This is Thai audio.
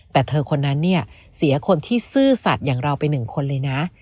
แต่เธอคนนั้นเนี่ยเสียคนที่ซื่อสัตว์อย่างเราไปหนึ่งคนเลยนะ